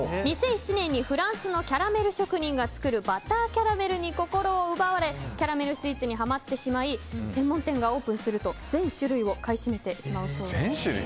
２００７年にフランスのキャラメル職人が作るバターキャラメルに心を奪われキャラメルスイーツにハマってしまい専門店がオープンすると全種類を買い占めてしまうそうです。